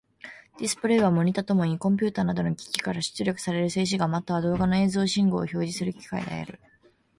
ディスプレイはモニタともいい、コンピュータなどの機器から出力される静止画、または動画の映像信号を表示する機器である。